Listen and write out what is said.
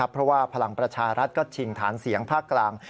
เพราะว่าพลังประชารัฐก็ชิงฐานเสียงภาคกลาง